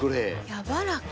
やわらか。